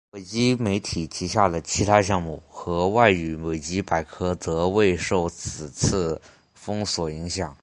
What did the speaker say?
维基媒体旗下的其他项目和外语维基百科则未受此次封锁影响。